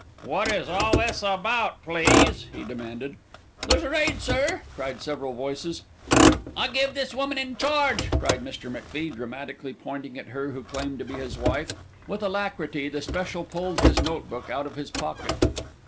"What is all this about, please?" he demanded. "There's a raid, sir," cried several voices. "I give this woman in charge," cried Mr. MacFie, dramatically pointing at her who claimed to be his wife. With alacrity the special pulled his note book out of his pocket.